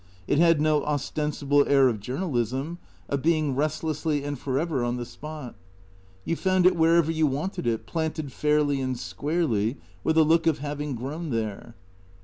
It had no ostensible air of journalism, THECEEATORS 67 of being restlessly and for ever on the spot. You found it wherever you wanted it, planted fairly and squarely, with a look of having grown there.